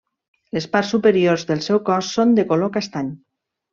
Les parts superiors del seu cos són de color castany.